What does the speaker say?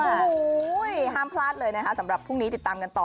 โอ้โหห้ามพลาดเลยนะคะสำหรับพรุ่งนี้ติดตามกันต่อ